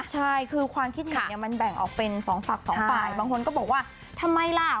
ใช่คือความคิดเห็นเนี่ยมันแบ่งออกเป็นสองฝั่งสองฝ่ายบางคนก็บอกว่าทำไมล่ะ